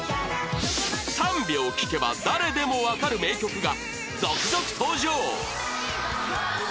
３秒聴けば誰でもわかる名曲が続々登場。